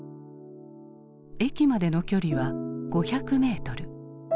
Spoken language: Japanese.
駅までの距離は５００メートル。